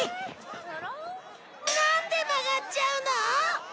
なんで曲がっちゃうの！？